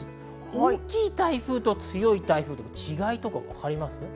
大きい台風と強い台風の違いはわかりますか？